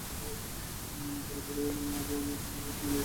আবার বছর কয়েক আগে জমি নিয়ে ভাইয়ের সঙ্গে তাঁর বিরোধ হয়েছিল।